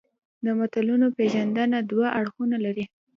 د متلونو پېژندنه دوه اړخونه لري